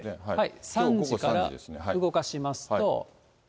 ３時から動かしますと。